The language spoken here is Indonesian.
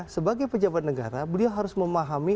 sebagai pejabat negara beliau harus memahami